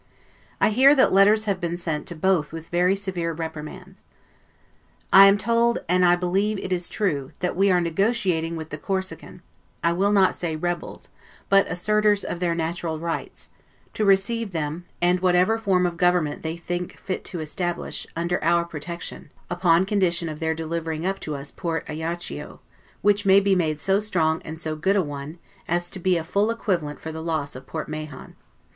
I hear that letters have been sent to both with very severe reprimands. I am told, and I believe it is true, that we are negotiating with the Corsican, I will not say rebels, but asserters of their natural rights; to receive them, and whatever form of government they think fit to establish, under our protection, upon condition of their delivering up to us Port Ajaccio; which may be made so strong and so good a one, as to be a full equivalent for the loss of Port Mahon.